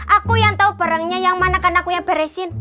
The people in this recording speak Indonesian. aku yang tau barangnya yang mana kan aku yang beresin